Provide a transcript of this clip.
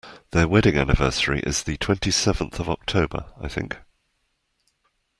Their wedding anniversary is the twenty-seventh of October, I think